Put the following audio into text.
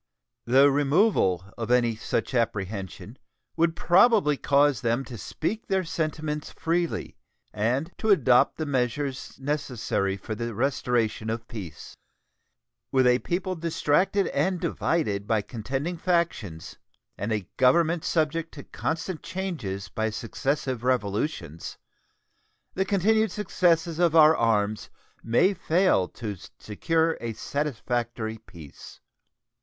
The removal of any such apprehension would probably cause them to speak their sentiments freely and to adopt the measures necessary for the restoration of peace. With a people distracted and divided by contending factions and a Government subject to constant changes by successive revolutions, the continued successes of our arms may fail to secure a satisfactory peace.